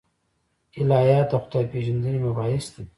الهیات د خدای پېژندنې مباحث دي.